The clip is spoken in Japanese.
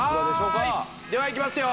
はーいではいきますよ